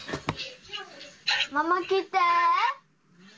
ママ、来て。